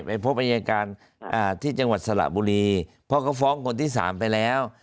พบอายการที่จังหวัดสระบุรีเพราะเขาฟ้องคนที่สามไปแล้ว